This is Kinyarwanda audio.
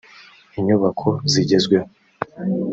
inyubako zigezweho